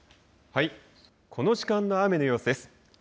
この時間の雨の様子です。